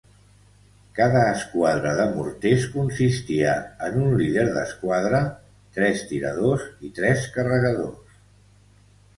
Cada esquadra de morters consistia en un líder d'esquadra, tres tiradors i tres carregadors.